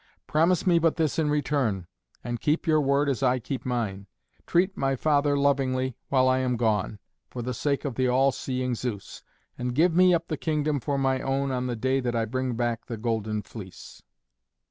Promise me but this in return, and keep your word as I keep mine. Treat my father lovingly while I am gone, for the sake of the all seeing Zeus, and give me up the kingdom for my own on the day that I bring back the Golden Fleece."